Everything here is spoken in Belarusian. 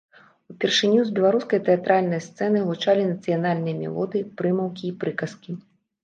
Упершыню з беларускай тэатральнай сцэны гучалі нацыянальныя мелодыі, прымаўкі і прыказкі.